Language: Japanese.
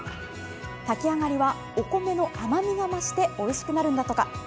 炊き上がりはお米の甘みが増しておいしくなるんだとか。